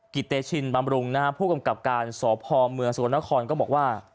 กิตเตชินบำรุงนะฮะผู้กำกับการสอบภอมเมืองสะกดนครก็บอกว่า